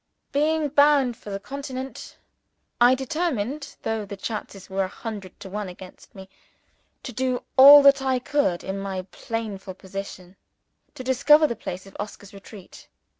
Being bound for the Continent, I determined (though the chances were a hundred to one against me) to do all that I could, in my painful position, to discover the place of Oscar's retreat.